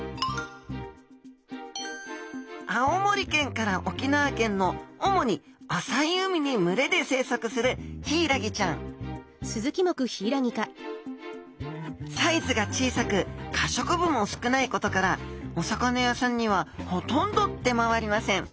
青森県から沖縄県の主に浅い海に群れで生息するヒイラギちゃんサイズが小さく可食部も少ないことからお魚屋さんにはほとんど出回りません。